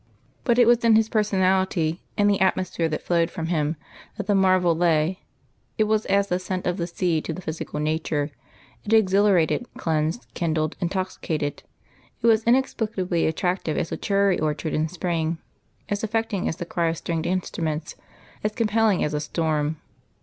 But it was in His personality, in the atmosphere that flowed from Him, that the marvel lay. It was as the scent of the sea to the physical nature it exhilarated, cleansed, kindled, intoxicated. It was as inexplicably attractive as a cherry orchard in spring, as affecting as the cry of stringed instruments, as compelling as a storm.